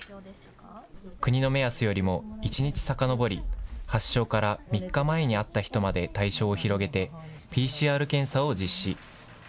国の目安よりも１日さかのぼり、発症から３日前に会った人まで対象を広げて、ＰＣＲ検査を実施。